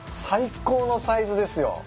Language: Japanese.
最高のサイズですよ。